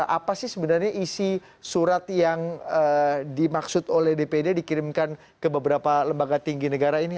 apa sih sebenarnya isi surat yang dimaksud oleh dpd dikirimkan ke beberapa lembaga tinggi negara ini